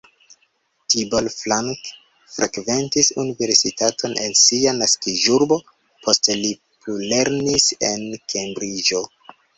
Tibor Frank frekventis universitaton en sia naskiĝurbo, poste li plulernis en Kembriĝo.